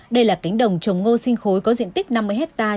đây là cánh đồng trồng ngô sinh khối có diện tích năm mươi hectare